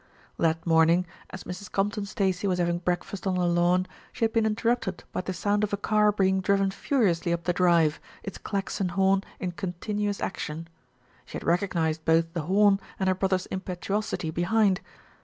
That morning, as Mrs. Compton Stacey was having breakfast on the lawn, she had been interrupted by the sound of a car being driven furiously up the drive, its Klaxon horn in continuous action. She had recognised both the horn and her brother's impetuosity behind.